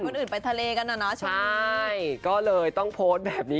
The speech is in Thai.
มาติดคนอื่นไปทะเลกันนะ